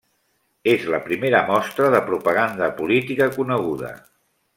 És la primera mostra de propaganda política coneguda.